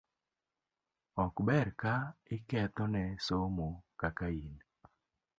ok ber ka iketho ne somo kaka in.